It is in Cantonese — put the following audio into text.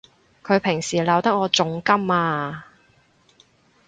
佢平時鬧得我仲甘啊！